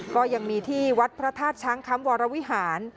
ก็ยังมีที่วัดพระธาตุช้างคำวรวิหาร